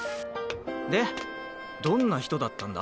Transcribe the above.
でどんな人だったんだ。